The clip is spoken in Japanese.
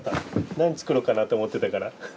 何作ろうかなと思ってたから。